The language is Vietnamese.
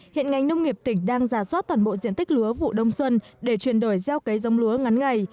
hiện ngành nông nghiệp tỉnh đang giả soát toàn bộ diện tích lúa vụ đông xuân để chuyển đổi gieo cấy giống lúa ngắn ngày